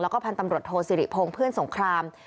แล้วก็พันธ์ตำรวจโทสิริพงศ์เพื่อนสงคราม